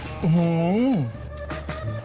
อื้อหือ